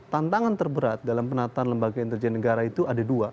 tantangan terberat dalam penataan lembaga intelijen negara itu ada dua